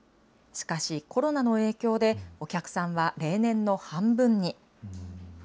しかしコロナの影響で、お客さんは例年の半分に。